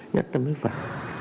nhất tâm với phật